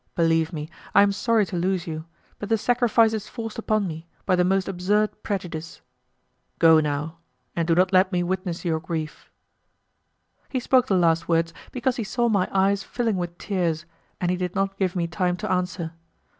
Believe me, I am sorry to lose you; but the sacrifice is forced upon me by the most absurd prejudice. Go now, and do not let me witness your grief." He spoke the last words because he saw my eyes filling with tears, and he did not give me time to answer.